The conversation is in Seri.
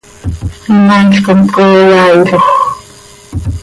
Inaail com tcooo yaailoj.